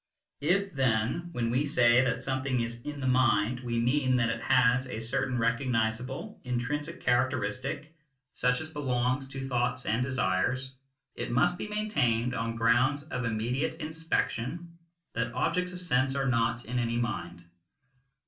If, then, when we say that something is in the mind we mean that it has a certain recognisable intrinsic characteristic such as belongs to thoughts and desires, it must be maintained on grounds of immediate inspection that objects of sense are not in any mind.